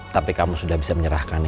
tapi kamu sudah bisa menyerahkannya